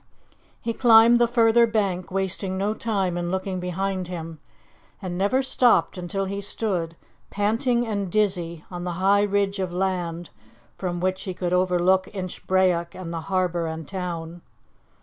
He climbed the further bank, wasting no time in looking behind him, and never stopped until he stood, panting and dizzy, on the high ridge of land from which he could overlook Inchbrayock and the harbour and town.